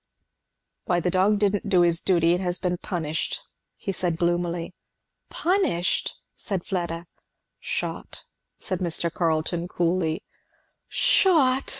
"Why the dog didn't do his duty and has been punished," he said gloomily. "Punished?" said Fleda. "Shot," said Mr. Carleton coolly. "Shot!"